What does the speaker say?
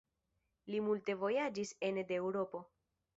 Li multe vojaĝis ene de Eŭropo.